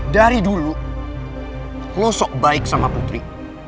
dari dulu lo sok baik sama putri